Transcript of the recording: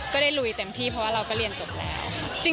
ลุยเต็มที่เพราะว่าเราก็เรียนจบแล้วค่ะ